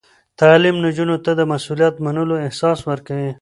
تعلیم نجونو ته د مسؤلیت منلو احساس ورکوي.